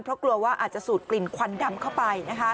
เพราะกลัวว่าอาจจะสูดกลิ่นควันดำเข้าไป